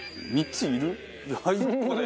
３ついる？